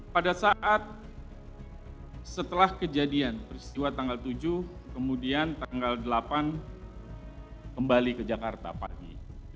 pada saat setelah kejadian peristiwa tanggal tujuh kemudian tanggal delapan kembali ke jakarta pagi